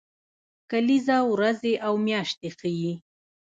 کلیزه ورځې او میاشتې ښيي